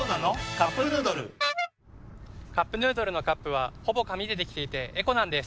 「カップヌードル」「カップヌードル」のカップはほぼ紙でできていてエコなんです。